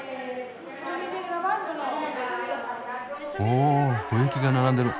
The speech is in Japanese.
おお植木が並んでる。